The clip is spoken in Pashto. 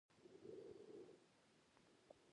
پر هغو داسي اور بل ده چې